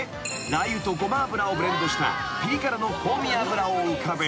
［ラー油とごま油をブレンドしたぴり辛の香味油を浮かべ］